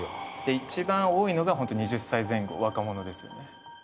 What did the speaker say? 一番多いのがホント２０歳前後若者ですよね。